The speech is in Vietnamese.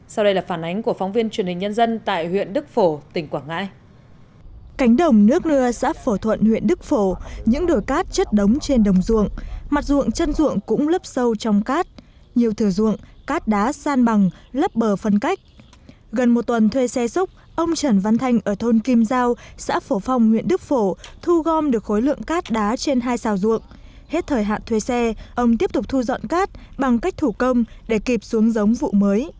sau đây là phản ánh của phóng viên truyền hình nhân dân tại huyện đức phổ tỉnh quảng ngãi